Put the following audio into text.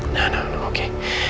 nah nah oke